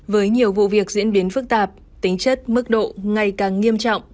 với nhiều vụ việc diễn biến phức tạp tính chất mức độ ngày càng nghiêm trọng